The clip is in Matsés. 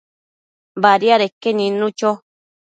Badiadeque nidnu cho